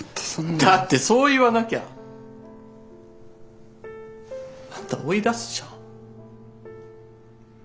だってそう言わなきゃあんた追い出すじゃん。